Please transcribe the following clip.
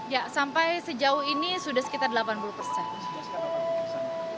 ya sampai sejauh ini sudah sekitar delapan puluh persen